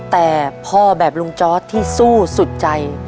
แต่พ่อแบบลุงจอร์ดที่สู้สุดใจ